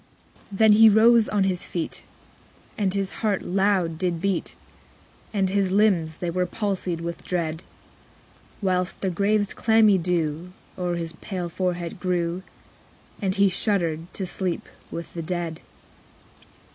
10. Then he rose on his feet, And his heart loud did beat, And his limbs they were palsied with dread; _55 Whilst the grave's clammy dew O'er his pale forehead grew; And he shuddered to sleep with the dead.